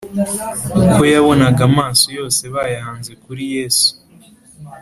Uko yabonaga amaso yose bayahanze kuri Yesu